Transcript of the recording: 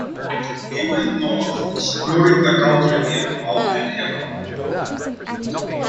He went north, exploring the country beyond Mount Elgon.